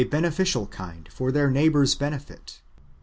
beneficial kind for their neiglibours' benefit.